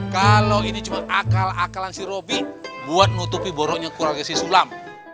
kalau ini cuma akal akalan si robi buat nutupi boronya kurangnya si sulam